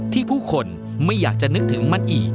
ผู้คนไม่อยากจะนึกถึงมันอีก